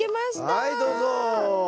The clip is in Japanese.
はいどうぞ！